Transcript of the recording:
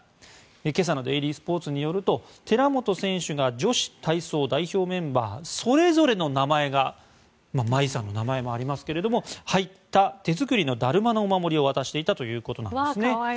今朝のデイリースポーツによると寺本選手が女子体操代表メンバーそれぞれの名前が茉愛さんの名前もありますが入っただるまの手作りのお守りを渡していたということなんですね。